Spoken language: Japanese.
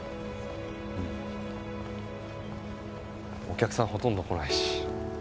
お客さんほとんど来ないし。